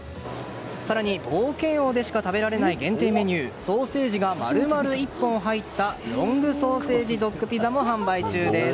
更に冒険王でしか食べられない限定メニューソーセージが丸々１本入ったロングソーセージドックピザも販売中です。